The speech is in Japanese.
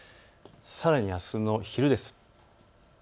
さらに、あすの昼です。